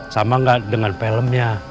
sama nggak dengan filmnya